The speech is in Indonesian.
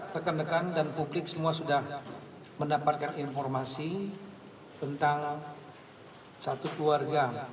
rekan rekan dan publik semua sudah mendapatkan informasi tentang satu keluarga